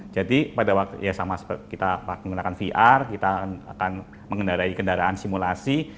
jadi pada waktu ya sama kita menggunakan vr kita akan mengendarai kendaraan simulasi